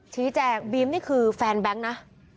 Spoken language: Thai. ชีชิแจงจริงนี่คือแฟนแบงค์นะ